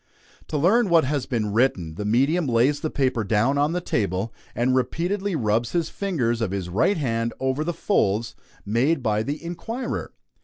To learn what has been written, the medium lays the paper down on the table, and repeatedly rubs the fingers of his right hand over the folds made by the inquirer.